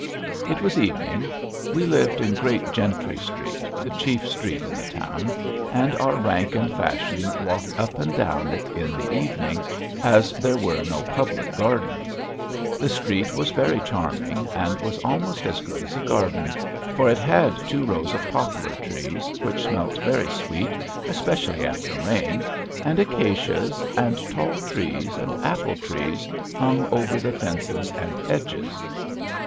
It was evening. We lived in Great Gentry Street the chief street in the town and our rank and fashion walked up and down it in the evenings, as there were no public gardens. The street was very charming, and was almost as good as a garden, for it had two rows of poplar trees, which smelt very sweet, especially after rain, and acacias, and tall trees, and apple trees hung over the fences and hedges.